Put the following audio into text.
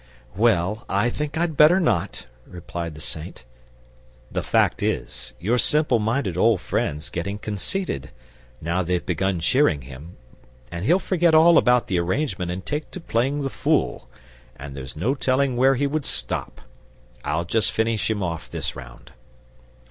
"Well, I think I'd better not," replied the Saint. "The fact is, your simple minded old friend's getting conceited, now they've begun cheering him, and he'll forget all about the arrangement and take to playing the fool, and there's no telling where he would stop. I'll just finish him off this round."